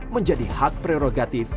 menjadi hak prerogatif